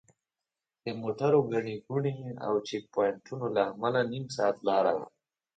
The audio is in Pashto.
د موټرو ګڼې ګوڼې او چیک پواینټونو له امله نیم ساعت لاره ده.